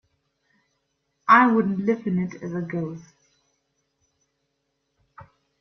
I wouldn't live in it as a ghost.